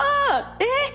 えっ！